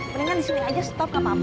mendingan di sini aja stop gak apa apa